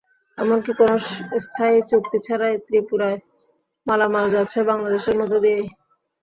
এমনকি কোনো স্থায়ী চুক্তি ছাড়াই ত্রিপুরায় মালামাল যাচ্ছে বাংলাদেশের মধ্য দিয়েই।